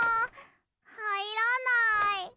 はいらない。